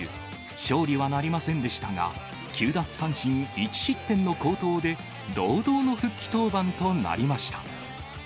勝利はなりませんでしたが、９奪三振１失点の好投で、堂々の復帰登板となりました。